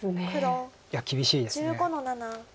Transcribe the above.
いや厳しいです。